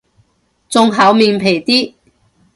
仲厚面皮啲